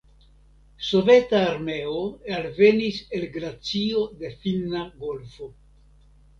Soveta armeo alvenis el glacio de Finna golfo.